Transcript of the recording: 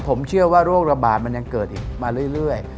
ผมเชื่อว่าโรคระบาดมันยังเกิดอีกมาเรื่อย